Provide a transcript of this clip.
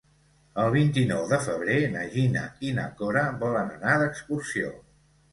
El vint-i-nou de febrer na Gina i na Cora volen anar d'excursió.